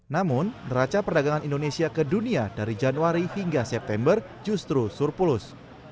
namun neraca perdagangan indonesia ke dunia dari januari hingga september justru surplus